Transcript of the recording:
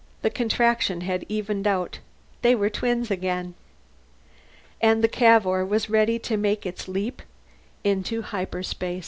The Contraction had evened out. They were twins again. And the Cavour was ready to make its leap into hyperspace.